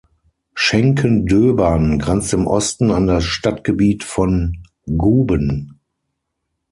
Schenkendöbern grenzt im Osten an das Stadtgebiet von Guben.